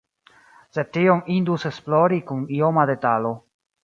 Sed tion indus esplori kun ioma detalo.